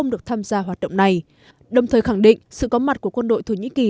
được tham gia hoạt động này đồng thời khẳng định sự có mặt của quân đội thổ nhĩ kỳ